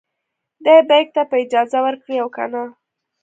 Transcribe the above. دې بیک ته به اجازه ورکړي او کنه.